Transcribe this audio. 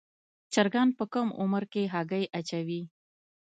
چرګان په کم عمر کې هګۍ اچوي.